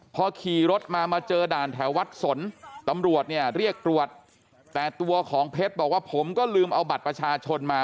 พอขี่รถมามาเจอด่านแถววัดสนตำรวจเนี่ยเรียกตรวจแต่ตัวของเพชรบอกว่าผมก็ลืมเอาบัตรประชาชนมา